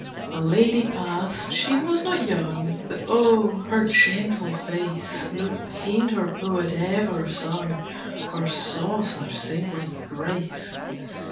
A lady past, she was not young, But oh! her gentle face No painter poet ever sung, Or saw such saintlike grace.